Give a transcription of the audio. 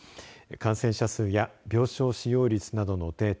感染者数や病床使用率などのデータ